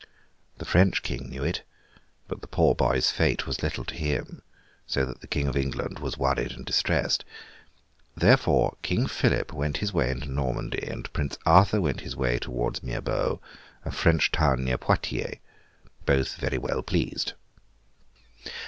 The French King knew it; but the poor boy's fate was little to him, so that the King of England was worried and distressed. Therefore, King Philip went his way into Normandy and Prince Arthur went his way towards Mirebeau, a French town near Poictiers, both very well pleased.